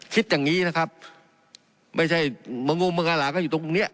คิดอย่างงี้นะครับไม่ใช่มงุมมงาหลาก็อยู่ตรงเนี้ย